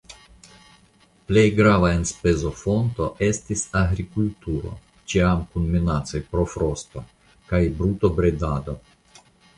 Plej grava enspezofonto estis agrikulturo (ĉiam kun minacoj pro frosto) kaj brutobredado.